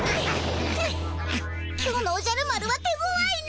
今日のおじゃる丸は手ごわいね。